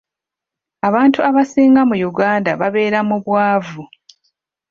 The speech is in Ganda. Abantu abasinga mu Uganda babeera mu bwavu.